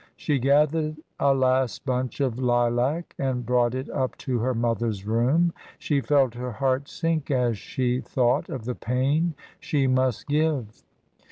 She gathered a last bunch of lilac and brought it up to her mother's room. She felt her heart sink as she thought of the pain she must give.